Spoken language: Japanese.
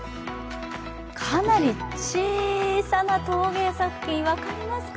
かなり小さな陶芸作品分かりますか？